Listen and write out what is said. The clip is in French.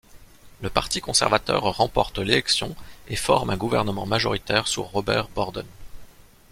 Le Parti conservateur remporte l'élection et forme un gouvernement majoritaire sous Robert Borden.